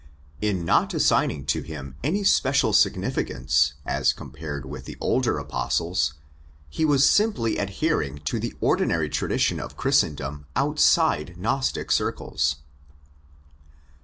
In not assigning to him any special significance as compared with the older Apostles, he was simply adhering to the ordinary tradition of Christendom outside Gnostic circles.